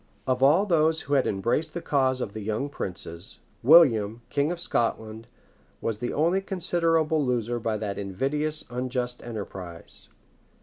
[*] Of all those who had embraced the cause of the young princes, William, king of Scotland, was the only considerable loser by that invidious and unjust enterprise.